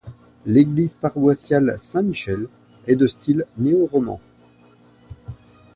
L'église paroissiale Saint-Michel est de style néo-roman.